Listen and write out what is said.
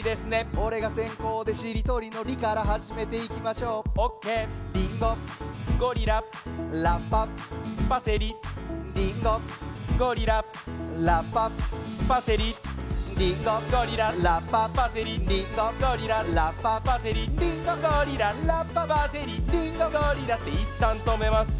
おれがせんこうでしりとりの「り」からはじめていきましょうオッケーリンゴゴリララッパパセリリンゴゴリララッパパセリリンゴゴリララッパパセリリンゴゴリララッパパセリリンゴゴリララッパパセリリンゴゴリラっていったんとめます